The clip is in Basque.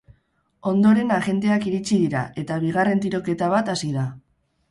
Ondoren agenteak iritsi dira, eta bigarren tiroketa bat hasi da.